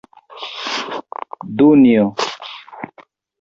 Dunjo!